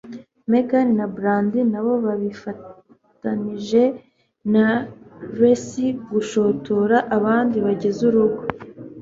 Megan na Brandi nabo bifatanije na Lacey gushotora abandi bagize urugo.